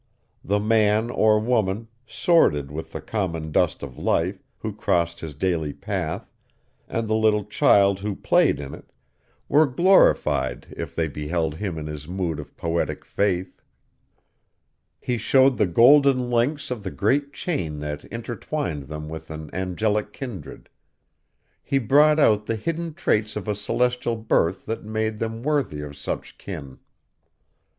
The man or woman, sordid with the common dust of life, who crossed his daily path, and the little child who played in it, were glorified if they beheld him in his mood of poetic faith. He showed the golden links of the great chain that intertwined them with an angelic kindred; he brought out the hidden traits of a celestial birth that made them worthy of such kin.